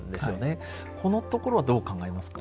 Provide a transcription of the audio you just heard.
このところはどう考えますか？